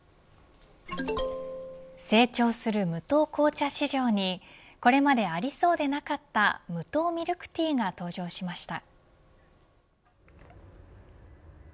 成長する無糖紅茶市場にこれまでありそうでなかった無糖ミルクティーが登場しました。